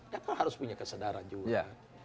kita harus punya kesadaran juga